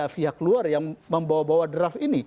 sudah ada pihak luar yang membawa bawa draft ini